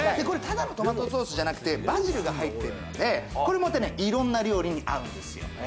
これただのトマトソースじゃなくて、バジルが入っていて、これ、またね、いろんな料理に合うんですよ。